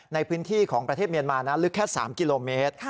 ในพื้นที่ของประเทศเมียนมานะลึกแค่๓กิโลเมตร